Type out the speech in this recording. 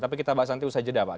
tapi kita bahas nanti usai jeda pak